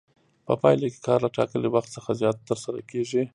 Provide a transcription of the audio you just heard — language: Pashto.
په پایله کې کار له ټاکلي وخت څخه زیات ترسره کېږي